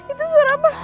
itu suara apa